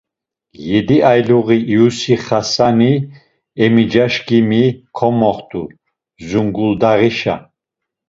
Yedi ayluği iyusi Xasani emicaşǩimi komoxt̆u Zunguldağişa.